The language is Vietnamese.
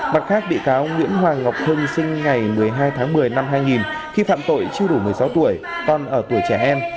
mặt khác bị cáo nguyễn hoàng ngọc hưng sinh ngày một mươi hai tháng một mươi năm hai nghìn khi phạm tội chưa đủ một mươi sáu tuổi con ở tuổi trẻ em